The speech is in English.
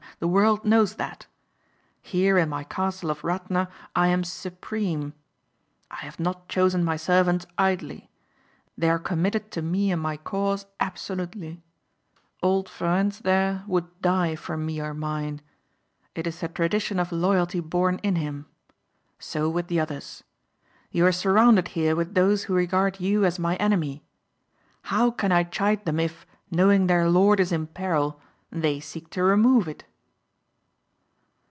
The world knows that. Here in my castle of Radna I am supreme. I have not chosen my servants idly. They are committed to me and my cause absolutely. Old Ferencz there would die for me or mine. It is the tradition of loyalty born in him. So with the others. You are surrounded here with those who regard you as my enemy. How can I chide them if, knowing their lord is in peril, they seek to remove it?"